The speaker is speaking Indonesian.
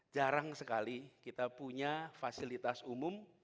jarang sekali kita punya fasilitas umum